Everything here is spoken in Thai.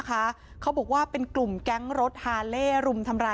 ก็คือตัวแฟนสาวของผู้ชายที่ถูกทำร้าย